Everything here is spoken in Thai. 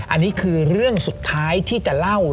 อันนี้คือเรื่องสุดท้ายที่จะเล่า